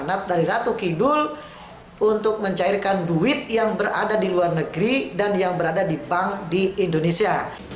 dari ratu kidul untuk mencairkan duit yang berada di luar negeri dan yang berada di bank di indonesia